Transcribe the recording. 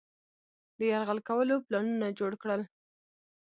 د یرغل کولو پلانونه جوړ کړل.